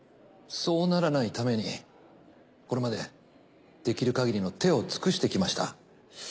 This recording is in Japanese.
そうならないためにこれまでできる限りの手を尽くしてきました。